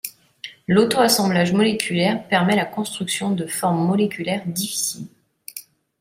L'auto-assemblage moléculaire permet la construction de formes moléculaires difficiles.